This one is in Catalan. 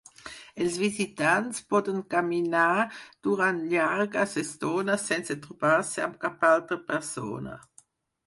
Els visitants poden caminar durant llargues estones sense trobar-se amb cap altre persona.